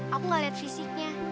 aku gak liat fisiknya